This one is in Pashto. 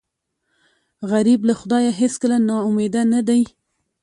غریب له خدایه هېڅکله نا امیده نه دی